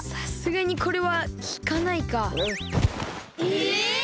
え！